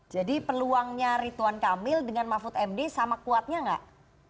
jadi peluangnya ridwan kamil dengan mahfud md sama kuatnya gak